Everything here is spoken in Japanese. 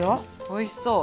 おいしそう。